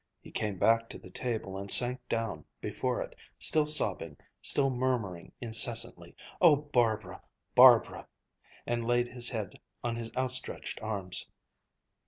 He came back to the table, and sank down before it, still sobbing, still murmuring incessantly, "Oh, Barbara Barbara!" and laid his head on his outstretched arms.